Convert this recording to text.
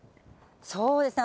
そうですね。